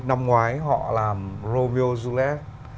năm ngoái họ làm romeo và juliet